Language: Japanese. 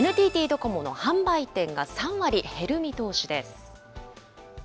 ＮＴＴドコモの販売店が３割減る見通しです。